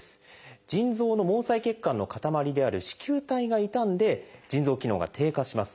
腎臓の毛細血管のかたまりである糸球体が傷んで腎臓機能が低下します。